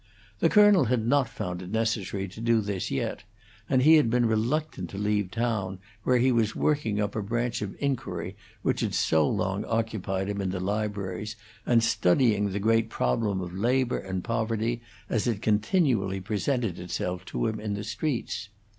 The colonel had not found it necessary to do this yet; and he had been reluctant to leave town, where he was working up a branch of the inquiry which had so long occupied him, in the libraries, and studying the great problem of labor and poverty as it continually presented itself to him in the streets.